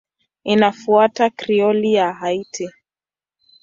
Inafuata Krioli ya Haiti.